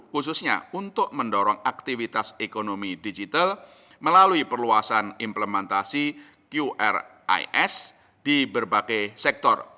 khususnya untuk mendorong aktivitas ekonomi digital melalui perluasan implementasi qris di berbagai sektor